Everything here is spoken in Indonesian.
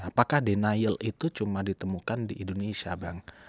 apakah denial itu cuma ditemukan di indonesia bang